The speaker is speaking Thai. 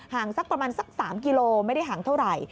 ห่างประมาณสัก๓กิโลเมตรไม่ได้ห่างเท่าไร